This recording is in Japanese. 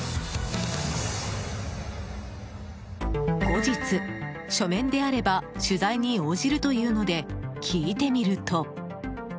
後日、書面であれば取材に応じるというので聞いてみると。